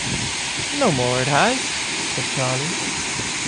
‘No more it has,’ said Charley.